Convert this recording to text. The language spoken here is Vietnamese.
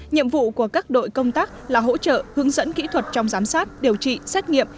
nhiệm vụ của các đội công tác là hỗ trợ hướng dẫn kỹ thuật trong giám sát điều trị xét nghiệm